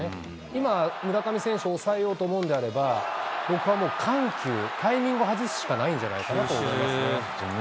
今、村上選手を抑えようと思うんであれば、ここはもう緩急、タイミングを外すしかないかなと思いますね。